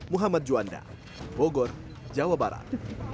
muhammad juanda bogor jawa barat